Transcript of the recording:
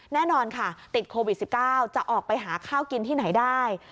แน่นอนค่ะติดโควิด๑๙จะออกไปหาข้าวกินที่ไหนได้